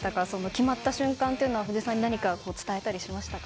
決まった瞬間というのは藤井さんに何か伝えたりしましたか。